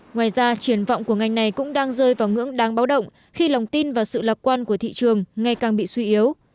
ngoài ra triển vọng của ngành này cũng đang rơi vào ngưỡng đáng báo động khi lòng tin và sự lạc quan của thị trường ngày càng bị suy yếu